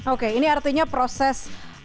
oke ini artinya proses